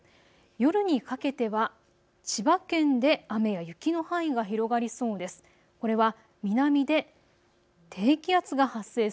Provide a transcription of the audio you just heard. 夜にかけては千葉県で雨や雪の範囲が広がりそうです。